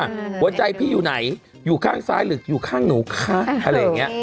หัวใจพี่อยู่ไหนอยู่ข้างซ้ายหรืออยู่ข้างหนูคะอะไรอย่างนี้